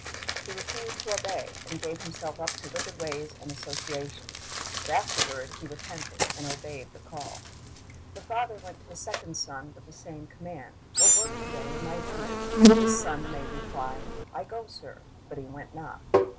He refused to obey, and gave himself up to wicked ways and associations. But afterward he repented, and obeyed the call. The father went to the second son with the same command, "Go work to day in my vineyard." This son made reply, 'T go, sir," but he went not.